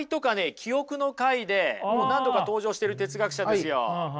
記憶の回で何度か登場している哲学者ですよ。